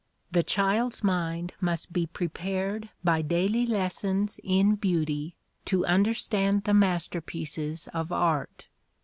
The child's mind must be prepared by daily lessons in beauty to understand the masterpieces of art.